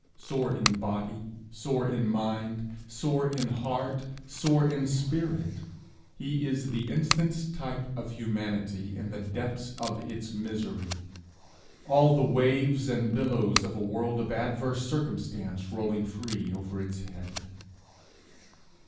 Sore in body, sore in mind, sore in heart, sore in spirit, he is the instance type of humanity in the depths of its misery all the waves and billows of a world of adverse circumstance rolling free over its head.